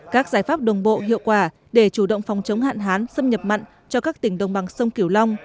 các giải pháp đồng bộ hiệu quả để chủ động phòng chống hạn hán xâm nhập mặn cho các tỉnh đồng bằng sông kiểu long